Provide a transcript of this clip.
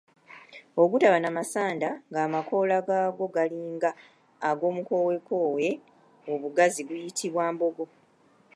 Ogutaba na masanda ng'amakoola gaagwo galinga ag'omukookoowe obugazi guyitibwa mbogo.